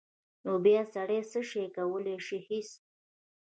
نو بیا سړی څه کولی شي هېڅ.